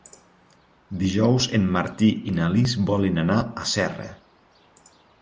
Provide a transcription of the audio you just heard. Dijous en Martí i na Lis volen anar a Serra.